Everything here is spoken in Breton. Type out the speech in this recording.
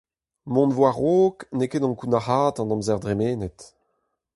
Mont war-raok n'eo ket ankounac'haat an amzer dremenet.